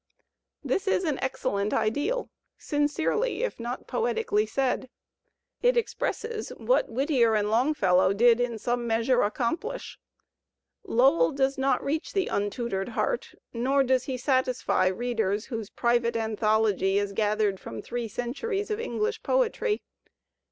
This is an excellent ideal, sincerely if not poetically said. It expresses what Whittier and Longfellow did in some measure accomplish. Lowell does not reach the imtutored heart, nor does he satisfy readers whose private anthology is gathered from three centuries of English poetry.